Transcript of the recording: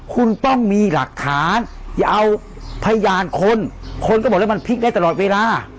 คุณต้องมีหลักฐานอย่าเอาพยานคนคนก็บอกแล้วมันพลิกได้ตลอดเวลา